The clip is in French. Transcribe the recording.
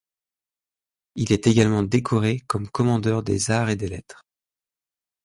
Il est également décoré comme commandeur des Arts et des Lettres.